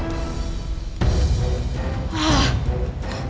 tante aku mau